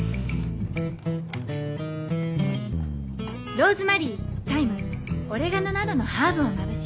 ローズマリータイムオレガノなどのハーブをまぶし